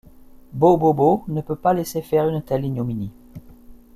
Bo-bobo ne peut pas laisser faire une telle ignominie.